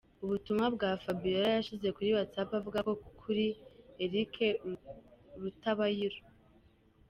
Ubutumwa Fabiola yashyize kuri Whatsapp avuga kuri Eric Rutabayiro.